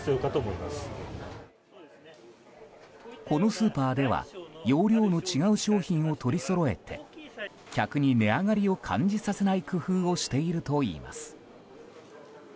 このスーパーでは容量の違う商品を取りそろえて客に値上がりを感じさせない工夫をしているといいます。